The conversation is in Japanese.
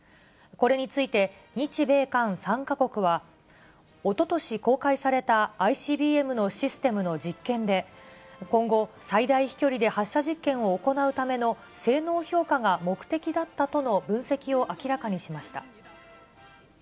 これについて、日米韓３か国は、おととし公開されたＩＣＢＭのシステムの実験で、今後、最大飛距離で発射実験を行うための性能評価が目的だったとの分析を明らかにしました。